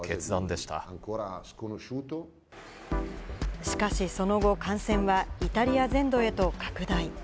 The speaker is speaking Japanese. しかしその後、感染はイタリア全土へと拡大。